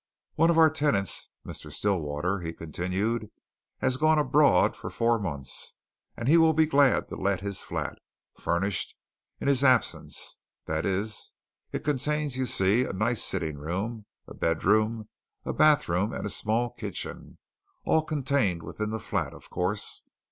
"One of our tenants, Mr. Stillwater," he continued, "has gone abroad for four months, and he'd be glad to let his flat, furnished, in his absence. That's it it contains, you see, a nice sitting room, a bedroom, a bathroom, and a small kitchen all contained within the flat, of course.